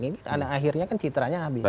ini karena akhirnya kan citranya hanya kebanyakan